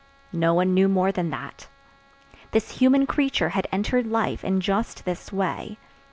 No one knew more than that. This human creature had entered life in just this way.